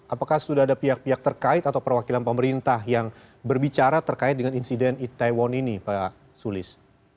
apakah sudah ada pihak pihak terkait atau perwakilan pemerintah yang berbicara terkait dengan insiden itaewon ini pak sulis